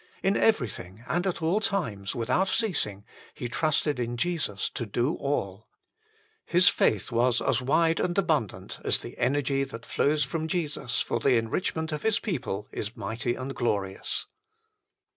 In everything and at all times, without ceasing, he trusted in Jesus to do all. His faith was as wide and abundant as the energy that flows from Jesus for the enrichment of His people is mighty and glorious.